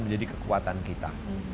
menjadi kekuatan kita